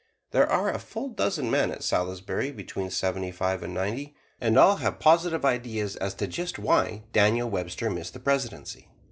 There are a full dozen men at Salisbury between seventy five and ninety, and all have positive ideas as to just why Daniel Webster missed the Presidency.